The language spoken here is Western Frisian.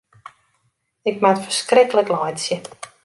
Ik moat ferskriklik laitsje.